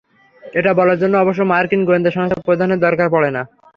এটা বলার জন্য অবশ্য মার্কিন গোয়েন্দা সংস্থার প্রধানের দরকার পড়ে না।